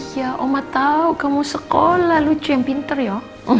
iya omah tau kamu sekolah lucu yang pinter ya